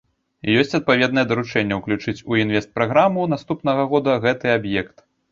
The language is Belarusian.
Ёсць адпаведнае даручэнне ўключыць у інвестпраграму наступнага года гэты аб'ект.